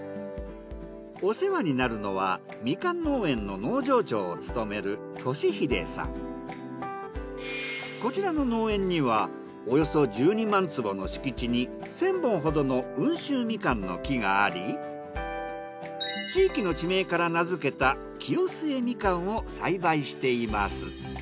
お世話になるのはみかん農園のこちらの農園にはおよそ１２万坪の敷地に１，０００本ほどの温州みかんの木があり地域の地名から名づけた清末みかんを栽培しています。